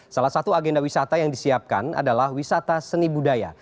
salah satu agenda wisata yang disiapkan adalah wisata seni budaya